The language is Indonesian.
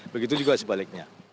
begitu juga sebaliknya